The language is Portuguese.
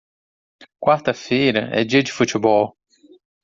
Quarta feira é dia de futebol.